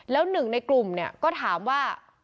แล้ว๑ในกลุ่มก็ถามว่า